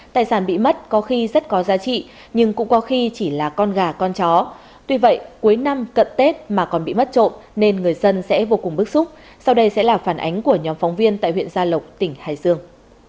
tài sản bị mất có khi rất có giá trị nhưng cũng có khi chỉ là con gà con chó tuy vậy cuối năm cận tết mà còn bị mất trộm nên người dân sẽ vô cùng bức xúc sau đây sẽ là phản ánh của nhóm phóng viên tại huyện gia lộc tỉnh hải dương